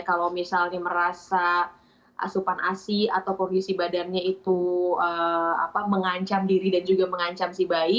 kalau misalnya merasa asupan asi atau kondisi badannya itu mengancam diri dan juga mengancam si bayi